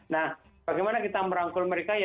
nah bagaimana kita merangkul mereka ya